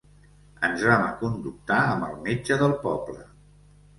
Ens vam aconductar amb el metge del poble.